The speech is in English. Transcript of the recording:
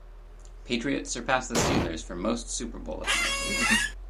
Patriots surpass the Steelers for most Super Bowl appearances.